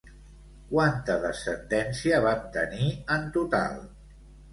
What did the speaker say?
Quanta descendència van tenir en total?